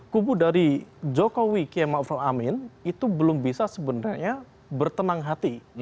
jadi jokowi kiamat ufal amin itu belum bisa sebenarnya bertenang hati